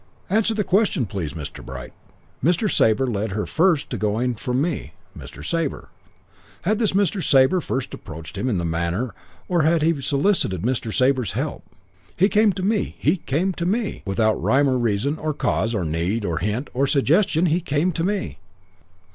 "'Answer the question, please, Mr. Bright.' 'Mr. Sabre led to her first going from me. Mr. Sabre!' "Had this Mr. Sabre first approached him in the matter or had he solicited Mr. Sabre's help? 'He came to me! He came to me! Without rhyme, or reason, or cause, or need, or hint, or suggestion he came to me!'